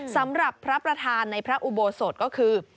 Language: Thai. สำหรับพระประธานในพระอุโบสถก็คือ